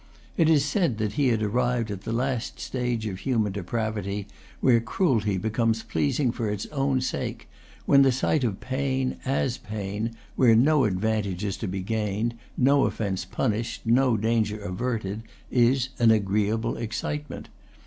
It is said that he had arrived at the last stage of human depravity, when cruelty becomes pleasing for its own sake, when the sight of pain as pain, where no advantage is to be gained, no offence punished, no danger averted, is an agreeable excitement.